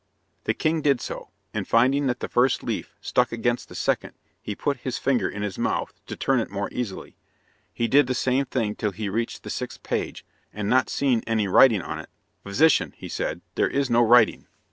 The king did so, and finding that the first leaf stuck against the second, he put his finger in his mouth, to turn it more easily. He did the same thing till he reached the sixth page, and not seeing any writing on it, "Physician," he said, "there is no writing."